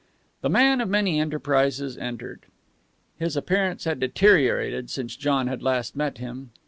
The man of many enterprises entered. His appearance had deteriorated since John had last met him.